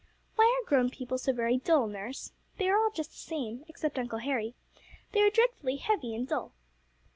'Why are grown up people so very dull, nurse? They all are just the same, except Uncle Harry. They are dreadfully heavy and dull.'